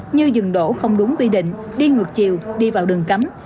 như dừng đổ không đúng quy định đi ngược chiều đi vào đường cấm